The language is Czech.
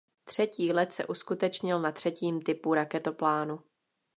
Třetí let se uskutečnil na třetím typu raketoplánu.